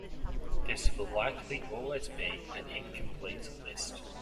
This will likely always be an incomplete list.